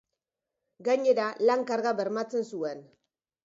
Gainera, lan karga bermatzen zuen.